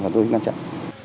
và tôi ngăn chặn